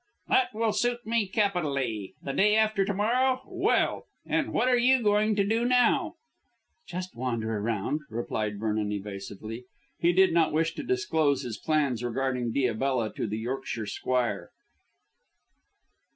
"That will suit me capitally. The day after to morrow? Well, and what are you going to do now?" "Just wander round," replied Vernon evasively. He did not wish to disclose his plans regarding Diabella to the Yorkshire squire.